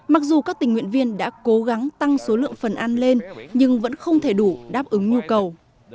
mặc dù các tình nguyện viên đã cố gắng tăng số lượng phần ăn lên nhưng vẫn không thể đủ đáp ứng nhu cầu